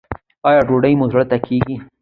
ایا ډوډۍ مو زړه ته کیږي؟